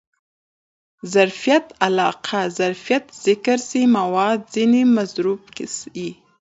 ظرفیت علاقه؛ ظرف ذکر سي مراد ځني مظروف يي.